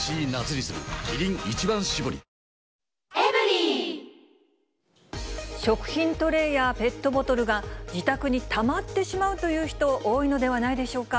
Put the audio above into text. キリン「一番搾り」食品トレーやペットボトルが、自宅にたまってしまうという人、多いのではないでしょうか。